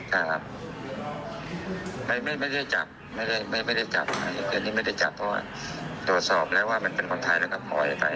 ใช่ครับไม่ได้จับไม่ได้จับแต่นี่ไม่ได้จับเพราะว่าตรวจสอบแล้วว่ามันเป็นคนไทยแล้วก็ปล่อยไป